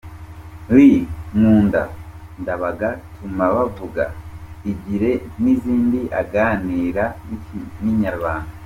L, Nkunda, Ndabaga, Tuma bavuga, Igire n’izindi, aganira n’inyarwanda.